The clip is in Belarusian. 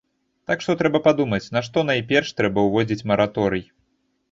Так што трэба падумаць, на што найперш трэба ўводзіць мараторый.